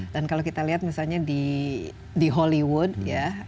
dan kalau kita lihat misalnya di hollywood ya